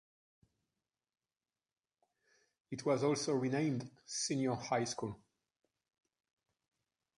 It was also renamed Senior High School.